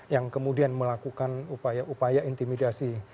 yang kemudian melakukan upaya upaya intimidasi